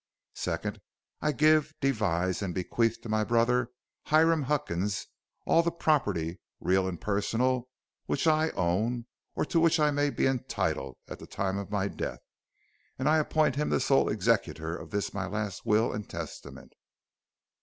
"Second: I give, devise, and bequeath to my brother, Hiram Huckins, all the property, real and personal, which I own, or to which I may be entitled, at the time of my death, and I appoint him the sole executor of this my last will and testament.